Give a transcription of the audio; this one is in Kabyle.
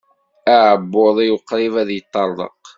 Aɛebbuḍ-iw qrib ad yeṭṭerḍeq.